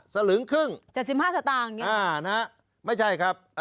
สลึงครึ่ง๗๕สตางค์ไม่ใช่ครับ